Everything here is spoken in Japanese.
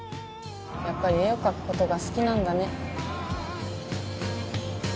やっぱり絵を描くことが好きなんだね